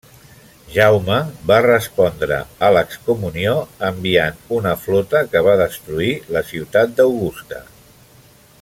Jaume va respondre a l'excomunió enviant una flota que va destruir la ciutat d'Augusta.